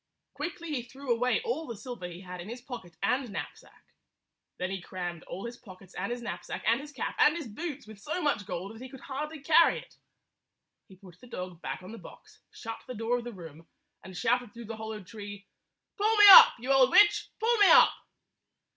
Quickly he threw away all the silver he had in his pocket and knapsack. Then he crammed all his pockets and his knapsack and his cap and his boots with so much gold that he could hardly carry it. He put the dog back on the box, shut the door of the room, and shouted through the hollow tree, "Pull me up, you old witch! Pull me up!"